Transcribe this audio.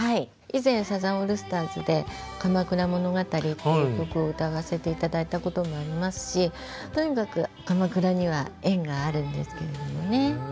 以前サザンオールスターズで「鎌倉物語」っていう曲を歌わせて頂いたこともありますしとにかく鎌倉には縁があるんですけれどもね。